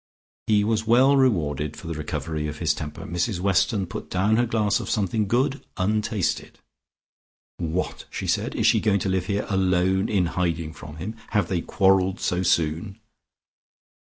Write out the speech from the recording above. He was well rewarded for the recovery of his temper. Mrs Weston put down her glass of something good untasted. "What?" she said. "Is she going to live here alone in hiding from him? Have they quarrelled so soon?"